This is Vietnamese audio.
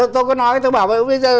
tôi có nói tôi bảo bây giờ